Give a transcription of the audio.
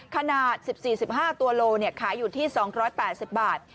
ขนาด๑๔๑๕ตัวโลขายอยู่ที่๒๘๐บาท